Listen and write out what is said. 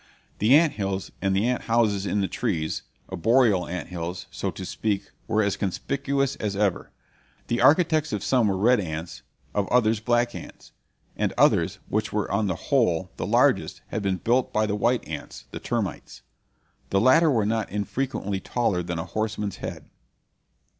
The ant hills, and the ant houses in the trees arboreal ant hills, so to speak were as conspicuous as ever. The architects of some were red ants, of others black ants; and others, which were on the whole the largest, had been built by the white ants, the termites. The latter were not infrequently taller than a horseman's head.